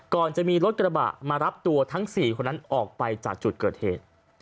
ก่อนจะมีรถกระบะมารับตัวทั้ง๔คนนั้นออกไปจากจุดเกิดเหตุ